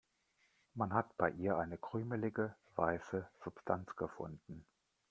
Man hat bei ihr eine krümelige, weiße Substanz gefunden.